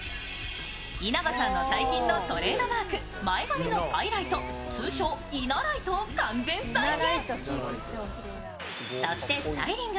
稲葉さんの最近のトレードマークの前髪のハイライト、通称・稲ライトを完全再現。